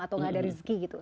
atau gak ada rizki gitu